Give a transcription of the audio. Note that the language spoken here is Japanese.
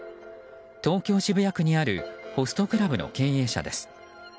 東京・渋谷区にあるホストクラブの経営者です。